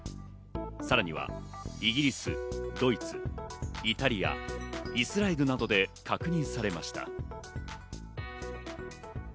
さらにはイギリス、ドイツ、イタリア、イスラエルなどで確認されました。